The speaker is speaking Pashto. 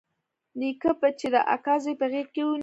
نيکه به چې د اکا زوى په غېږ کښې ونيو.